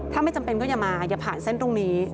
ถ้าไม่จำเป็นก็อย่ามาอย่าผ่านเส้นตรงนี้